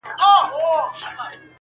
يو نغمه ګره نقاسي کومه ښه کوومه,